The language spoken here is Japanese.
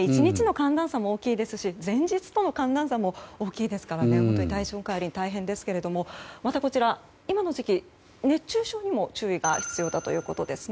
１日の寒暖差も大きいですし前日との寒暖差も大きいですから本当に体調管理が大変ですがまた、こちら今の時期熱中症にも注意が必要だということです。